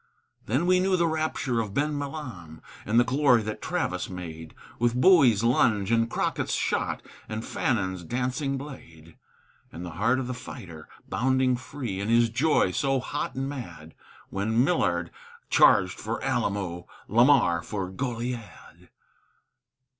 Then we knew the rapture of Ben Milam, And the glory that Travis made, With Bowie's lunge and Crockett's shot, And Fannin's dancing blade; And the heart of the fighter, bounding free In his joy so hot and mad When Millard charged for Alamo, Lamar for Goliad.